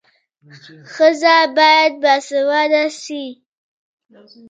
ښځه باید باسواده سي.